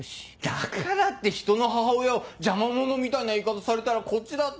だからって人の母親を邪魔者みたいな言い方されたらこっちだって。